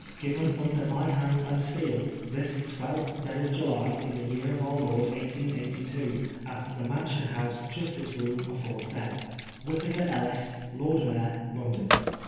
" Given under my hand and seal, this 12th day of July, in the year of our Lord 1882, at the Mansion House Justice Room, aforesaid. WnrrrAKER Ellis, Lord Mayor, London."